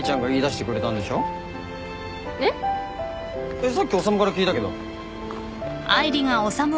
さっき修から聞いたけど。